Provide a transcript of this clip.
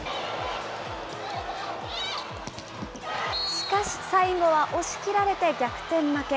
しかし最後は押し切られて逆転負け。